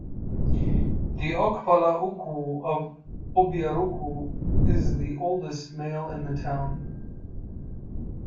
The "Okpala-Ukwu" of Obiaruku is the oldest male in the town.